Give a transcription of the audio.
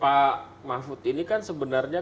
pak mahfud ini kan sebenarnya